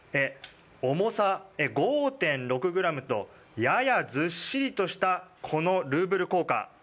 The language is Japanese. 重さ、５．６ｇとややずっしりとしたこのルーブル硬貨。